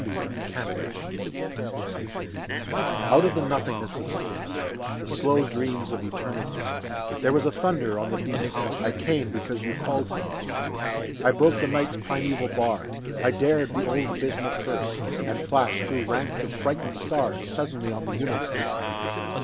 The Call Out of the nothingness of sleep, The slow dreams of Eternity, There was a thunder on the deep: I came, because you called to me. I broke the Night's primeval bars, I dared the old abysmal curse, And flashed through ranks of frightened stars Suddenly on the universe!